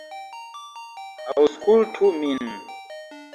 Aŭskultu min!